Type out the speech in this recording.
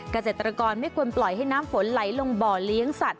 เกษตรกรไม่ควรปล่อยให้น้ำฝนไหลลงบ่อเลี้ยงสัตว